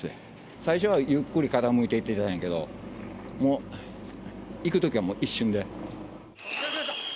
最初はゆっくり傾いていってんけど、いくときはもう一瞬で。